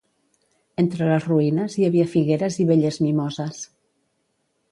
Entre les ruïnes hi havia figueres i belles mimoses.